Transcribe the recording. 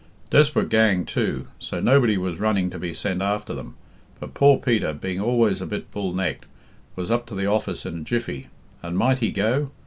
Desperate gang, too; so nobody was running to be sent after them. But poor Peter, being always a bit bull necked, was up to the office in a jiffy, and Might he go?